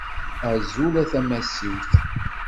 Azul a tamessiwt!